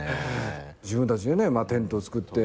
自分たちでテントを造って。